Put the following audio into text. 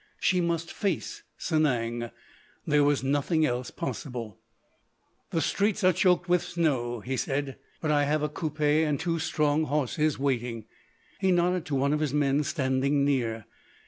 She must face Sanang. There was nothing else possible. "The streets are choked with snow," he said, "but I have a coupé and two strong horses waiting." He nodded to one of his men standing near.